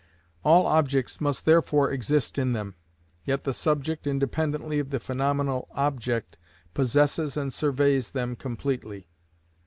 All objects must therefore exist in them, yet the subject, independently of the phenomenal object, possesses and surveys them completely.